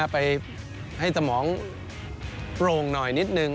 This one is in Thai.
ไปให้สมองโปร่งหน่อยนิดนึง